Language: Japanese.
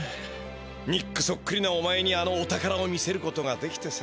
ニックそっくりなおまえにあのお宝を見せることができてさ。